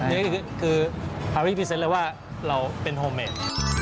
นี่คือพาพี่พรีเซนต์เลยว่าเราเป็นโฮเมด